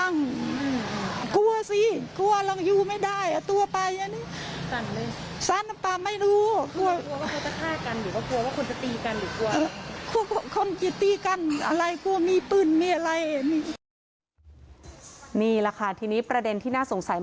นี่แหละค่ะทีนี้ประเด็นที่น่าสงสัย